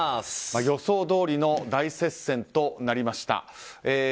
予想どおりの大接戦となりました。